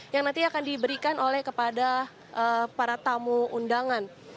yang nanti akan diberikan oleh kepada para tamu undangan